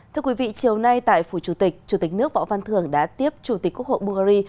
thưa quý vị chiều nay tại phủ chủ tịch chủ tịch nước võ văn thường đã tiếp chủ tịch quốc hội bungary